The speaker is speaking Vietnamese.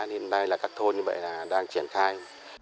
hiện nay là các thôn như vậy là đang triển khai